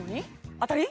当たり？